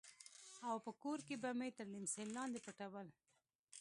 او په کور کښې به مې تر ليمڅي لاندې پټول.